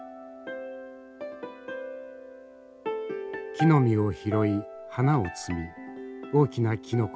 木の実を拾い花を摘み大きなキノコに驚く日々。